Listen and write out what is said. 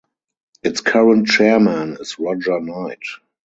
Its current chairman is Roger Knight.